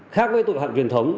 khác với tội phạm truyền thống